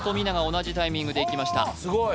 同じタイミングでいきました